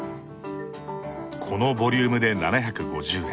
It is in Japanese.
このボリュームで７５０円。